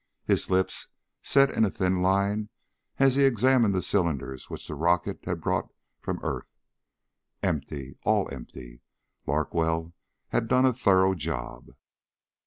His lips set in a thin line as he examined the cylinders which the rocket had brought from earth. Empty ... all empty. Larkwell had done a thorough job.